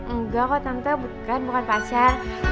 enggak kok tante bukan bukan pacar